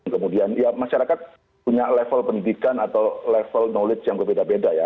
kemudian ya masyarakat punya level pendidikan atau level knowledge yang berbeda beda ya